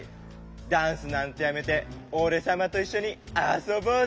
ダンスなんてやめておれさまといっしょにあそぼうぜ。